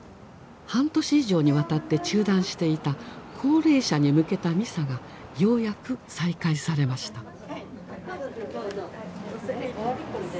半年以上にわたって中断していた高齢者に向けたミサがようやく再開されました。